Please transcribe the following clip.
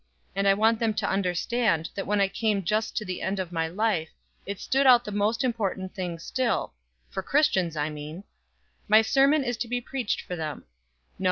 And I want them to understand that when I came just to the end of my life it stood out the most important thing still for Christians, I mean. My sermon is to be preached for them.